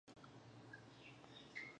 کتابونه یې په ارزانه بیه خپاره شول.